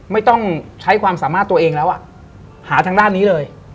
ไม่ต้องใช้ความสามารถตัวเองแล้วอ่ะหาทางด้านนี้เลย